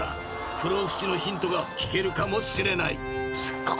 ［不老不死のヒントが聞けるかもしれない］